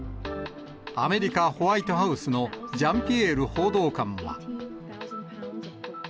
アメリカ、ホワイトハウスのジャンピエール報道官は。